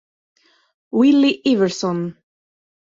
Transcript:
Willie Iverson